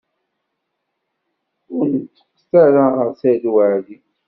Ur neṭṭqet ara ɣer Saɛid Waɛli.